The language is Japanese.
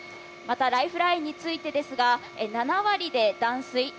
またライフラインについてですが、７割で断水。